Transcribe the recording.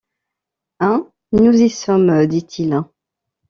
Hein? nous y sommes, dit-il.